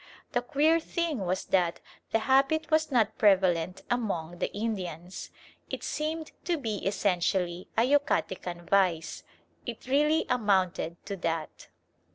The queer thing was that the habit was not prevalent among the Indians. It seemed to be essentially a Yucatecan vice: it really amounted to that.